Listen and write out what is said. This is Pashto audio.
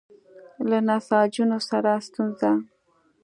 له نساجانو سره ستونزه.